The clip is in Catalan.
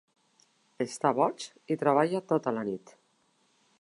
Està boig i treballa tota la nit.